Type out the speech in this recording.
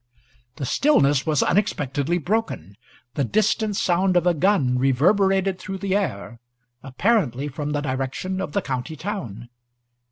The stillness was unexpectedly broken. The distant sound of a gun reverberated through the air, apparently from the direction of the county town.